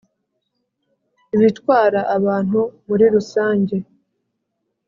ibitwara abantu muri rusange